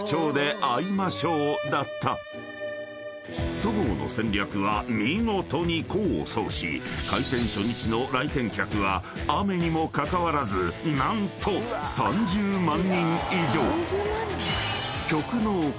［そごうの戦略は見事に功を奏し開店初日の来店客は雨にもかかわらず何と３０万人以上］